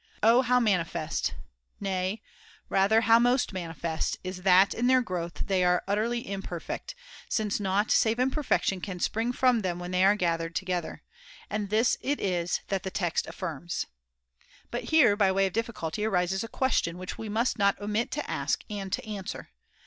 Oh how mani all good fest, nay, rather how most manifest, is it that in their growth they are utterly imperfect, since nought save imperfection can spring from them when they are gathered []i lo] together ! And this it is that the text affirms. But here by way of difficulty arises a question which we must not omit to ask and to answer.